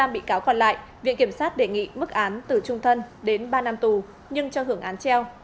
năm bị cáo còn lại viện kiểm sát đề nghị mức án từ trung thân đến ba năm tù nhưng cho hưởng án treo